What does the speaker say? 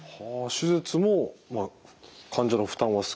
手術も患者の負担は少ない。